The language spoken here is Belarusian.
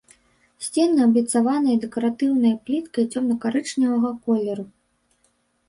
Сцены абліцаваныя дэкаратыўнай пліткай цёмна-карычневага колеру.